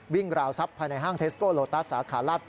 วิ่งราวทรัพย์ภายในห้างเทสโกโลตัสสลพ